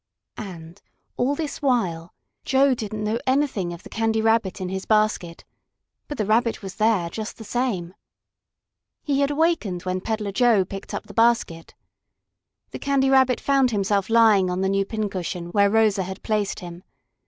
And, all this while, Joe didn't know anything of the Candy Rabbit in his basket. But the Rabbit was there, just the same. He had awakened when Peddler Joe picked up the basket. The Candy Rabbit found himself lying on the new pin cushion, where Rosa had placed him.